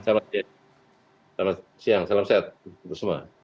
selamat siang salam sehat untuk semua